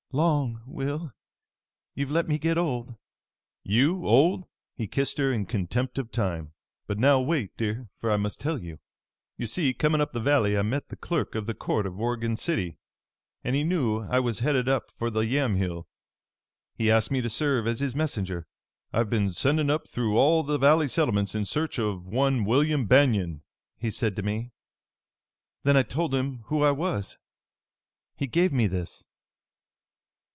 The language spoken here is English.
"Long, Will! You've let me get old!" "You old?" He kissed her in contempt of time. "But now wait, dear, for I must tell you. "You see, coming up the valley I met the Clerk of the Court of Oregon City, and he knew I was headed up for the Yamhill. He asked me to serve as his messenger. 'I've been sending up through all the valley settlements in search of one William Banion,' he said to me. Then I told him who I was. He gave me this."